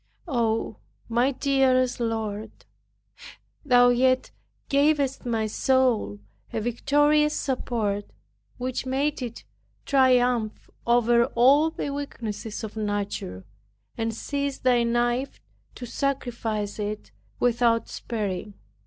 Oh, my dearest Lord! Thou yet gavest my soul a victorious support, which made it triumph over all the weaknesses of nature, and seized Thy knife to sacrifice it without sparing.